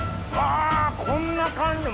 こんな感じ！